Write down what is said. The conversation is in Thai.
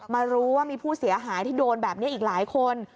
มารู้ว่ามีผู้เสียหายที่โดนแบบนี้อีกหลายคน